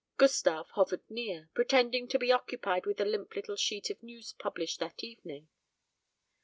Gustave hovered near, pretending to be occupied with a limp little sheet of news published that evening.